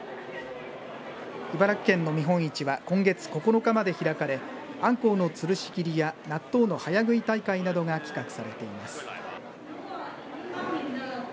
茨城県の見本市は今月９日まで開かれあんこうのつるし切りや納豆の早食い大会などが企画されています。